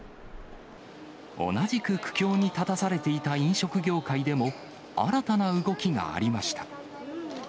同じく苦境に立たされていた飲食業界でも、新たな動きがありました。